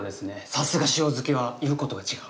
さすが塩好きは言うことが違う。